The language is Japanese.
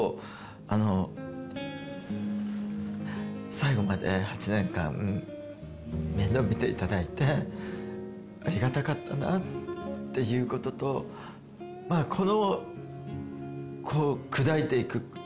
最後まで８年間面倒見ていただいてありがたかったなっていうこととこの。